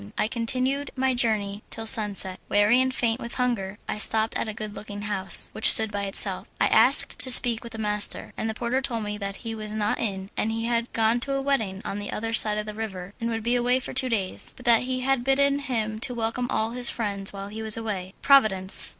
I continued my journey till sunset. Weary and faint with hunger I stopped at a good looking house, which stood by itself. I asked to speak to the master, and the porter told me that he was not in as he had gone to a wedding on the other side of the river, and would be away for two days, but that he had bidden him to welcome all his friends while he was away. Providence!